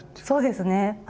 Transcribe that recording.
そうですね。